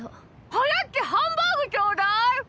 はやっちハンバーグちょうだい！